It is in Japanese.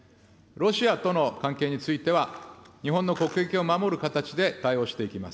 ロシアとの関係については、日本の国益を守る形で対応していきます。